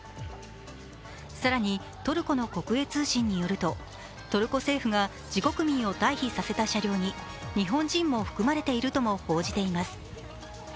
更にトルコの国営通信によるとトルコ政府が自国民を退避させた車両に日本人も含まれているとも報じています。